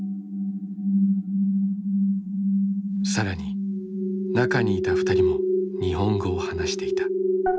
更に中にいた２人も日本語を話していた。